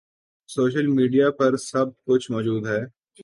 social media پر سب کچھ موجود ہے